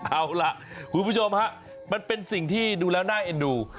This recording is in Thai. เอาล่ะคุณผู้ชมฮะมันเป็นสิ่งที่ดูแล้วน่าเอ็นดู